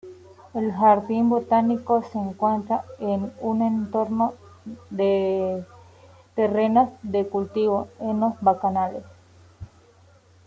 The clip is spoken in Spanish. El jardín botánico se encuentra en un entorno de terrenos de cultivo en bancales.